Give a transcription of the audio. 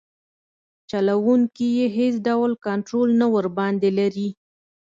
چلوونکي یې هیڅ ډول کنټرول نه ورباندې لري.